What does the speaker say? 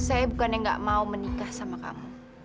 saya bukan yang gak mau menikah sama kamu